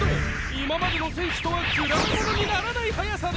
今までの選手とは比べものにならない速さです！